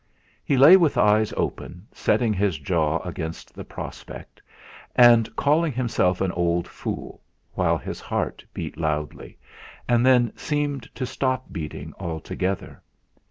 He lay with eyes open, setting his jaw against the prospect, and calling himself an old fool, while his heart beat loudly, and then seemed to stop beating altogether.